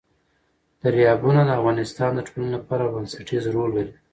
دریابونه د افغانستان د ټولنې لپاره بنسټيز رول لري.